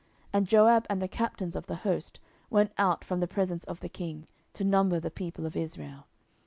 And Joab and the captains of the host went out from the presence of the king, to number the people of Israel.